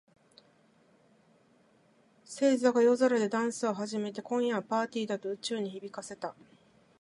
星座が夜空でダンスを始めて、「今夜はパーティーだ！」と宇宙に響かせた。